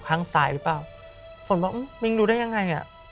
ข้างซ้ายหรือเปล่าฝนว่ามึงดูได้ยังไง